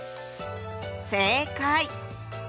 正解！